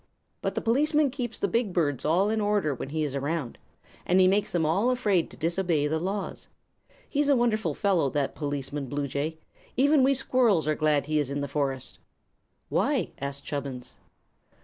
But the policeman keeps the big birds all in order when he is around, and he makes them all afraid to disobey the laws. He's a wonderful fellow, that Policeman Bluejay, and even we squirrels are glad he is in the forest." "Why?" asked Chubbins.